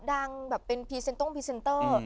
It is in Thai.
ดังแบบเป็นพรีเซนตรงพรีเซนเตอร์